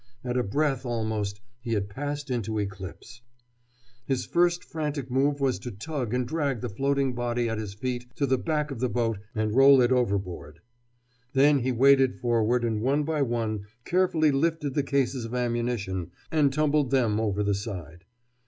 At a breath, almost, he had passed into eclipse. His first frantic move was to tug and drag the floating body at his feet to the back of the boat and roll it overboard. Then he waded forward and one by one carefully lifted the cases of ammunition and tumbled them over the side.